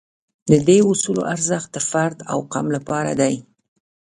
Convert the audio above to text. د دې اصول ارزښت د فرد او قوم لپاره دی.